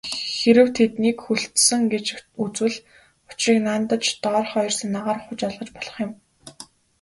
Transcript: Хэрэв тэднийг хүлцсэн гэж үзвэл, учрыг наанадаж доорх хоёр санаагаар ухаж ойлгож болох юм.